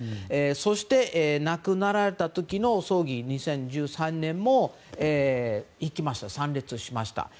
そして、亡くなられた時の葬儀２０１３年も参列しました。